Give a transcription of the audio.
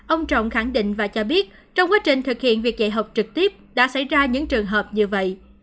ông trọng khẳng định và cho biết trong quá trình thực hiện việc dạy học trực tiếp đã xảy ra những trường hợp như vậy